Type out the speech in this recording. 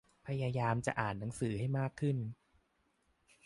พยายามจะอ่านหนังสือให้มากขึ้น